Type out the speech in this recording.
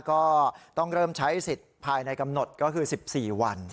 ก็ต้องเริ่มใช้สิทธิ์ภายในกำหนดก็คือ๑๔วัน